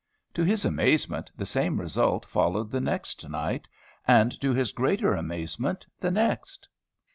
To his amazement the same result followed the next night. And to his greater amazement, the next.